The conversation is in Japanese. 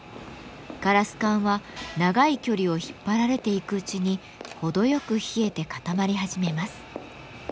ガラス管は長い距離を引っ張られていくうちに程よく冷えて固まり始めます。